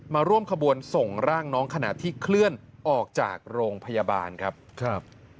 มาร่วมขบวนส่งร่างน้องขณะที่เคลื่อนออกจากโรงพยาบาลครับครับ